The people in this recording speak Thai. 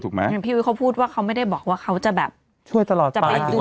ถูกไหมอย่างพี่เขาพูดว่าเขาไม่ได้บอกว่าเขาจะแบบช่วยตลอดค่ะ